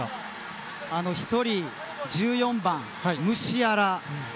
１人、１４番のムシアラ。